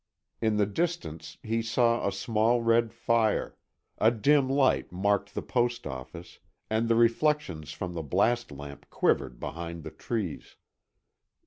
In the distance, he saw a small red fire; a dim light marked the post office, and the reflections from the blast lamp quivered behind the trees.